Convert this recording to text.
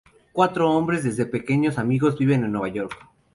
Cuatro hombres, desde pequeños amigos, viven en Nueva York.